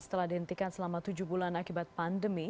setelah dihentikan selama tujuh bulan akibat pandemi